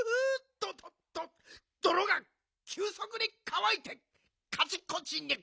どっどろがきゅうそくにかわいてカチコチに？